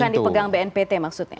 bukan dipegang bnpt maksudnya